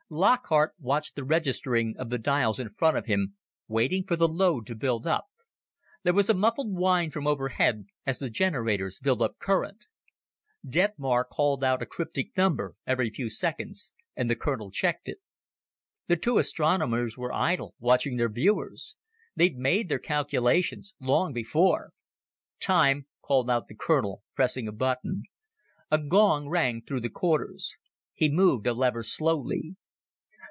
Lockhart watched the registering of the dials in front of him, waiting for the load to build up. There was a muffled whine from overhead as the generators built up current. Detmar called out a cryptic number every few seconds and the colonel checked it. The two astronomers were idle, watching their viewers. They'd made their calculations long before. "Time," called out the colonel, pressing a button. A gong rang throughout the quarters. He moved a lever slowly.